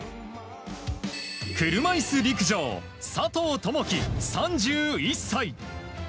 車いす陸上佐藤友祈、３１歳。